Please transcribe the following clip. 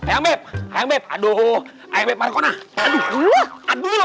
yang mep aduh ayo berpapak